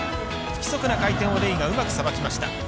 不規則な回転をレイがうまくさばきました。